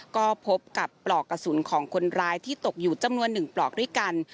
ก็พบกับปลอกกระสุนของคนร้ายที่ตกอยู่จำนวน๑ปลอกด้วยกัน